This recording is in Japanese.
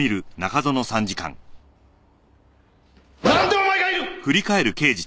なんでお前がいる！